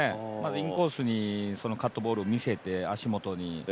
インコースにカットボールを見せて、足元に。